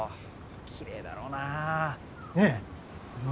きれいだろうなねえ？